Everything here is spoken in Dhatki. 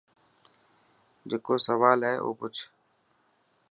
جڪو سوال هي او پڇ.